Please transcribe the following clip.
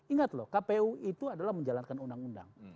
ingat loh kpu itu adalah menjalankan undang undang